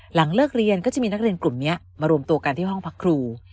หลังเลิกเรียนก็จะมีนักเรียนกลุ่มนี้มารวมตัวกันที่ห้องพักครู